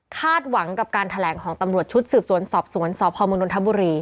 หวังกับการแถลงของตำรวจชุดสืบสวนสอบสวนสพมนทบุรี